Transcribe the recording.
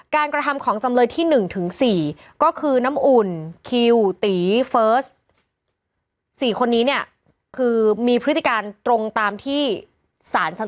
การกระทำของจำเลยที่๑๔ก็คือน้ำอุ่นคิวตีเฟิร์ส